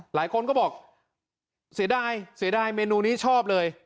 หลายคนก็บอกเสียดายเสียดายเมนูนี้ชอบเลย